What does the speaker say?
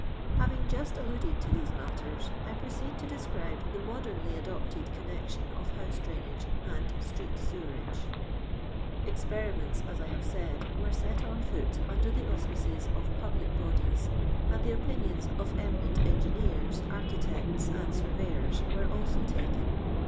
Having jujit alluded to these mutters, I pri>ceed to describe the modemly adopted connection of house drainage and street sewerage. Ex{)erimcnts, as I have said, were set un foot under the auspices of public bodies, and the opinions of eminent engineers, architect., and surveyors were also taken.